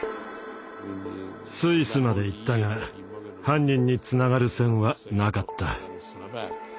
スイスまで行ったが犯人につながる線はなかった。